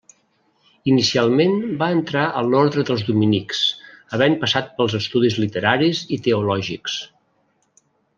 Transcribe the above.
Inicialment va entrar a l'orde dels dominics, havent passat pels estudis literaris i teològics.